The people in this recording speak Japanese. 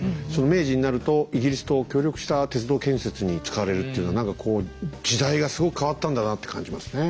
明治になるとイギリスと協力した鉄道建設に使われるっていうのは何かこう時代がすごく変わったんだなって感じますね。